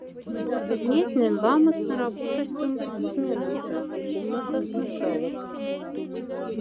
Стирнятнень ламосна работасть омбоце сменаса и комнатасна шавот.